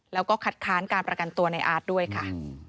แล้วก็คัดค้านการประกันตัวในอาร์ตด้วยค่ะ